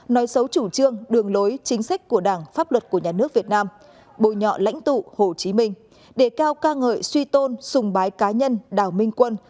nói xấu chủ trương đường lối chính sách của đảng pháp luật của nhà nước việt nam bội nhọ lãnh tụ hồ chí minh đề cao ca ngợi suy tôn xùng bái cá nhân đào minh quân